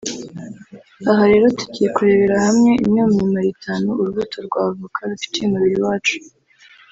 Aha rero tugiye kurebera hamwe imwe mu mimaro itanu urubuto rwa avoka rufitiye umubiri wacu